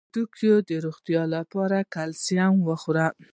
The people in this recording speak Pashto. د هډوکو د روغتیا لپاره کلسیم وخورئ